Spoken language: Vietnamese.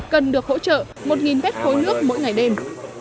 cần được hỗ trợ một mét khối nước mỗi ngày đêm